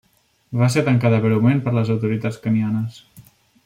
Va ser tancada breument per les autoritats kenyanes.